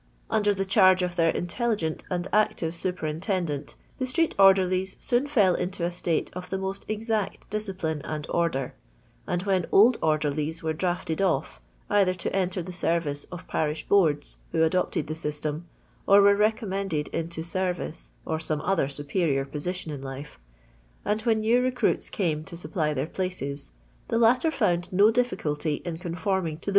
Under the charge of their intel ligent and active superintendent, the street order lies soon fell into a state of the most exact disci* pline and order; and when old orderlies were drafted off, either to eater the service of parish boards who adopted the system, or were recom mended into service, or some other superior position in life, and when new xesruits came to supply their phwes, the hUter found no difficulty in conforming to the